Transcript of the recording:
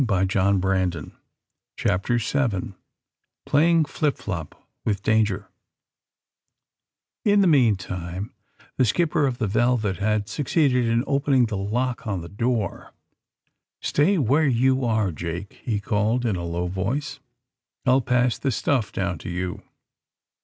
'^♦ CHAPTER Vir PLAYING FLIP FLOP WITH DATSTGER IN the meantime the skipper of the ^^ Velvet'' had succeeded in opening the lock on the door. ^^Stay where you are, Jake," he called in a low voice. '^I'll pass the stuff down to you."